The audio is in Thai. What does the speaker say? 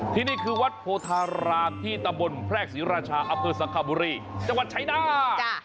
ที่นี่คือวัดโพธาราธิตบลแพร่กศิราชาอัพธิสังคบุรีจังหวัดชัยนาธิ